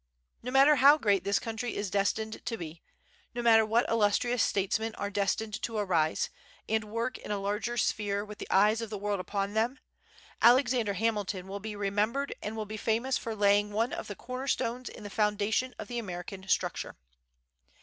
No matter how great this country is destined to be, no matter what illustrious statesmen are destined to arise, and work in a larger sphere with the eyes of the world upon them, Alexander Hamilton will be remembered and will be famous for laying one of the corner stones in the foundation of the American structure.